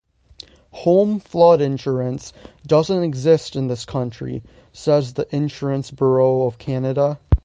Home flood insurance doesn't exist in this country, says the Insurance Bureau of Canada.